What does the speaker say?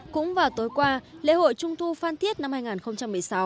cũng vào tối qua lễ hội trung thu phan thiết năm hai nghìn một mươi sáu